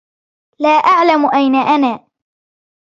لا أعلم أين أنا.